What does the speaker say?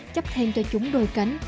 chấp hèn cho chúng đôi cánh